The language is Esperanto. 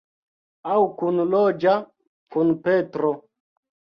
Aŭ kunloĝa kun Petro.